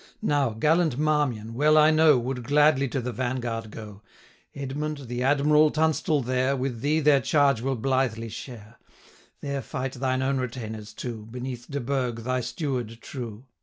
720 Now, gallant Marmion, well I know, Would gladly to the vanguard go; Edmund, the Admiral, Tunstall there, With thee their charge will blithely share; There fight thine own retainers too, 725 Beneath De Burg, thy steward true.'